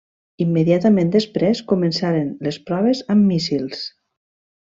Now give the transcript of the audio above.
Immediatament després començaren les proves amb míssils.